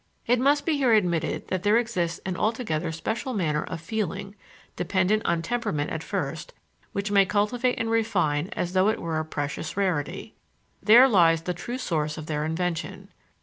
It must be here admitted that there exists an altogether special manner of feeling, dependent on temperament at first, which many cultivate and refine as though it were a precious rarity. There lies the true source of their invention.